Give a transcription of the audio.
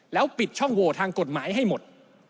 แล้วปิดช่องโหวทางกฎหมายให้หมด